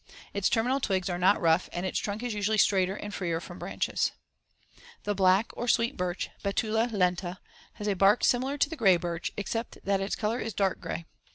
Its terminal twigs are not rough and its trunk is usually straighter and freer from branches. The black or sweet birch (Betula lenta) has a bark similar to the gray birch, except that its color is dark gray.